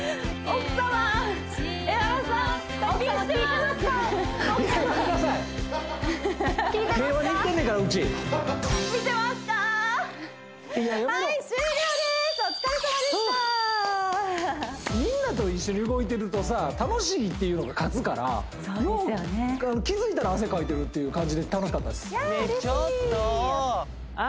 お疲れさまでしたみんなと一緒に動いてるとさ楽しいっていうのが勝つから気付いたら汗かいてるって感じで楽しかったです